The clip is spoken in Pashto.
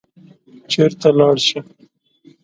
چېرته لاړ شي.